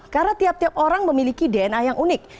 karena tiap tiap orang memiliki dna yang unik